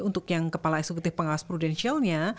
untuk yang kepala eksekutif pengawas prudensialnya